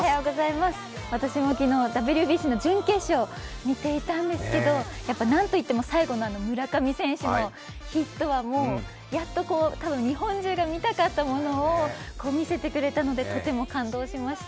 私も昨日、ＷＢＣの準決勝見ていたんですけど、なんといっても最後の村上選手のヒットはやっと、多分日本中が見たかったものを見せてくれたのでとても感動しました。